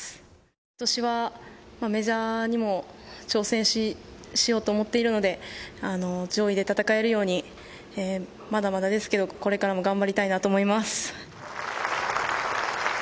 今年はメジャーにも挑戦しようと思っているので上位で戦えるようにまだまだですけどこれからも頑張りたいなと思います。